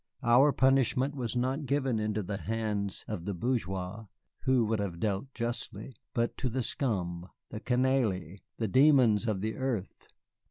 Our punishment was not given into the hands of the bourgeois, who would have dealt justly, but to the scum, the canaille, the demons of the earth.